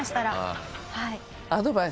はい。